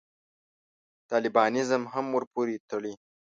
طالبانیزم هم ورپورې تړي.